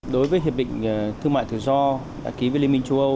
đối với hiệp định thương mại tự do đã ký với liên minh châu âu